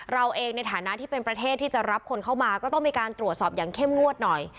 เราเองในฐานะที่เป็นประเทศที่จะรับคนเข้ามาก็ต้องมีการตรวจสอบอย่างเข้มงวดหน่อย